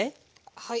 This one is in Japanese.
はい。